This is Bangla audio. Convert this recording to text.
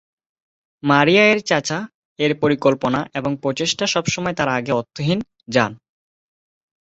মারিয়া এর চাচা এর পরিকল্পনা এবং প্রচেষ্টা সবসময় তার আগে অর্থহীন যান।